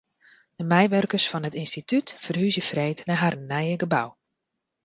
De meiwurkers fan it ynstitút ferhúzje freed nei harren nije gebou.